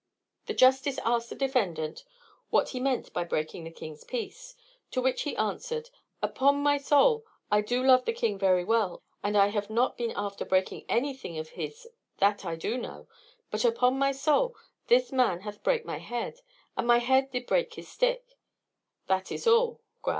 The justice asked the defendant, What he meant by breaking the king's peace? To which he answered "Upon my shoul I do love the king very well, and I have not been after breaking anything of his that I do know; but upon my shoul this man hath brake my head, and my head did brake his stick; that is all, gra."